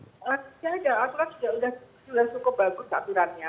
sebenarnya aturan sudah cukup bagus aturannya